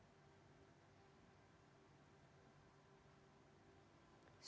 kendala komunikasi dengan bang andreas